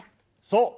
そう。